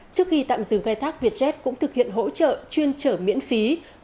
trước khi tạm dừng khai thác vietjet cũng thực hiện hỗ trợ chuyên trở miễn phí